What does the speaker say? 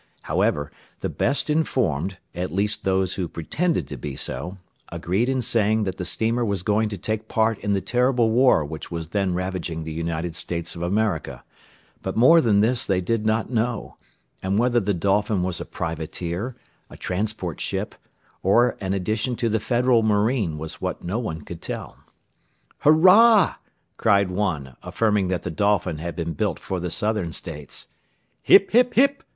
However, the best informed, at least those who pretended to be so, agreed in saying that the steamer was going to take part in the terrible war which was then ravaging the United States of America, but more than this they did not know, and whether the Dolphin was a privateer, a transport ship, or an addition to the Federal marine was what no one could tell. "Hurrah!" cried one, affirming that the Dolphin had been built for the Southern States. "Hip! hip! hip!"